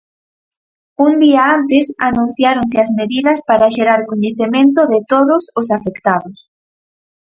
Un día antes anunciáronse as medidas para xerar coñecemento de todos os afectados.